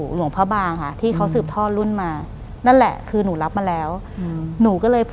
หลังจากนั้นเราไม่ได้คุยกันนะคะเดินเข้าบ้านอืม